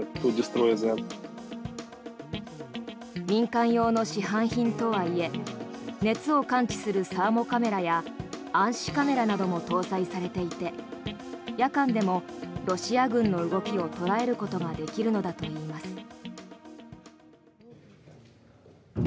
民間用の市販品とはいえ熱を感知するサーモカメラや暗視カメラなども搭載されていて夜間でもロシア軍の動きを捉えることができるのだといいます。